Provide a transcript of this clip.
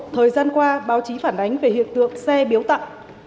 thời gian qua báo chí phản ánh về hiện tượng xe biếu tặng